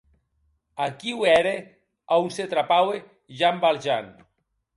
Aquiu ère a on se trapaue Jean Valjean.